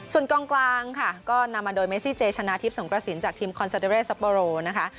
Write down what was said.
ส่วนกองกลางค่ะก็นำมาโดยเมซี่เจชนะทิพย์สงกระสินจากทีมคอนซาเดอเรซัปโปโรนะคะ